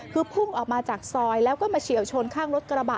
คือพุ่งออกมาจากซอยแล้วก็มาเฉียวชนข้างรถกระบะ